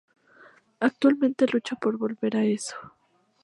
Actualmente lucha por volver a eso.